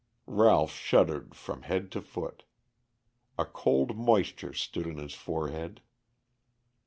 Ralph shuddered from head to foot. A cold moisture stood on his forehead.